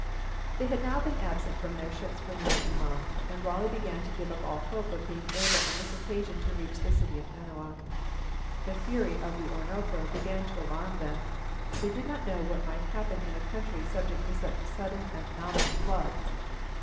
They had now been absent from their ships for nearly a month, and Raleigh began to give up all hope of being able on this occasion to reach the city of Manoa. The fury of the Orinoco began to alarm them; they did not know what might happen in a country subject to such sudden and phenomenal floods.